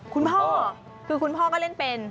คุณพ่อคือคุณพ่อก็เล่นเป็น